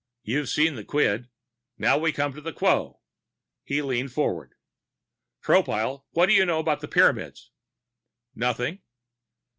You've seen the quid. Now we come to the quo." He leaned forward. "Tropile, what do you know about the Pyramids?" "Nothing."